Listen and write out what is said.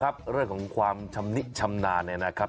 ครับเรื่องของความชำนิชำนาญเนี่ยนะครับ